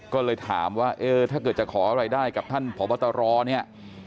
ก็เลยถามว่าเออถ้าเกิดจะขออะไรได้กับท่านพบตรเนี่ย